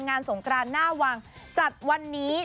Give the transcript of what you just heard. สงกรานหน้าวังจัดวันนี้